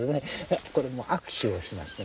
これも握手をしました。